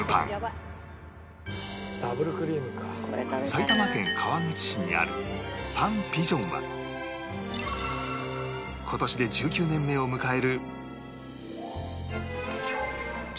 埼玉県川口市にあるパン・ピジョンは今年で１９年目を迎える